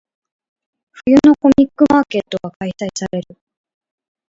冬のコミックマーケットが開催される。